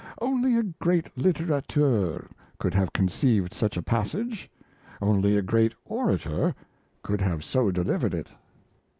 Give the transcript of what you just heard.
... Only a great litterateur could have conceived such a passage: only a great orator could have so delivered it."